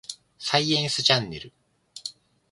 サイエンスチャンネル